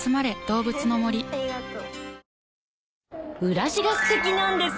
裏地がすてきなんです。